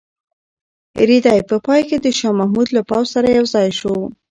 رېدی په پای کې د شاه محمود له پوځ سره یوځای شو.